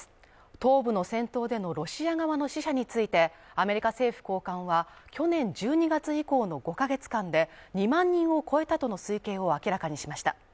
東部の戦闘でのロシア側の死者について、アメリカ政府高官は去年１２月以降の５ヶ月間で２万人を超えたとの推計を明らかにしました。